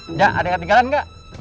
nggak ada ketinggalan gak